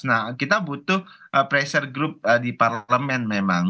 nah kita butuh pressure group di parlemen memang